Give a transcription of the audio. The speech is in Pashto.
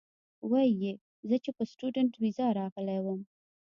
وې ئې زۀ چې پۀ سټوډنټ ويزا راغلی ووم